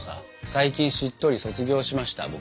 最近「しっとり」卒業しました僕。